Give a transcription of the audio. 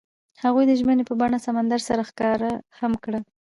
هغوی د ژمنې په بڼه سمندر سره ښکاره هم کړه.